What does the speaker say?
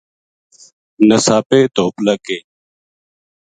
نساپے دُھپ لگ گئی